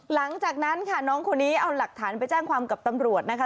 หลังจากนั้นค่ะน้องคนนี้เอาหลักฐานไปแจ้งความกับตำรวจนะคะ